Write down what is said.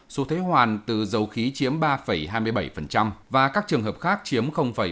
số thuế hoàn từ dầu khí chiếm ba hai mươi bảy và các trường hợp khác chiếm bảy mươi